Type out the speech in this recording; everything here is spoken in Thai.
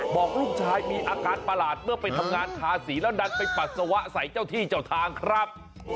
บอกลูกชายมีอาการประหลาดเมื่อไปทำงานทาสีแล้วดันไปปัสสาวะใส่เจ้าที่เจ้าทางครับ